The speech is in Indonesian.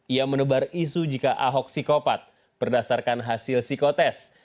ia menebar isu jika ahok psikopat berdasarkan hasil psikotest